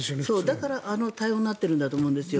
だからああいう対応になってると思うんですよ。